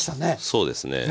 そうですね。